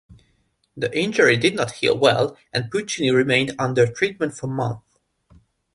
The injury did not heal well, and Puccini remained under treatment for months.